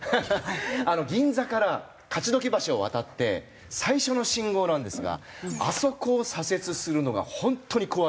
銀座から勝どき橋を渡って最初の信号なんですがあそこを左折するのが本当に怖いです。